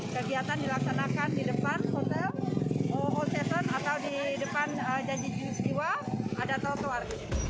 kegiatan dilaksanakan di depan hotel hotel atau di depan janji jiwa ada trotoar